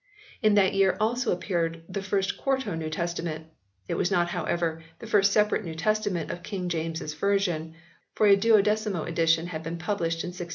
In that year also appeared the first quarto New Testament; it was not however the first separate New Testament of King James s Version, for a duodecimo edition had been published in 1611.